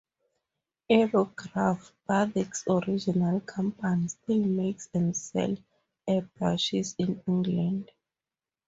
Aerograph, Burdick's original company, still makes and sells airbrushes in England.